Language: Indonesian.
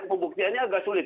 pembuktiannya agak sulit